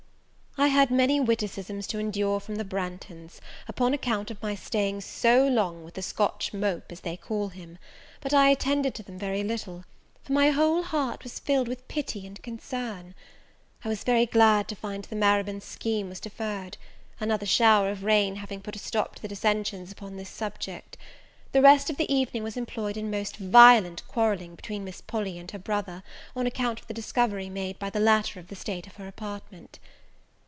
I had many witticisms to endure from the Branghtons, upon account of my staying so long with the Scotch mope, as they call him; but I attended to them very little, for my whole heart was filled with pity and concern. I was very glad to find the Marybone scheme was deferred, another shower of rain having put a stop to the dissension upon this subject; the rest of the evening was employed in most violent quarrelling between Miss Polly and her brother, on account of the discovery made by the latter of the state of her apartment.